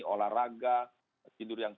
olahraga tidur yang